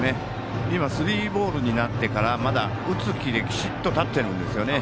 スリーボールになってから打つ気がきちっと立ってるんですよね。